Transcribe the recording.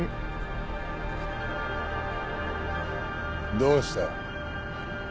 どうした？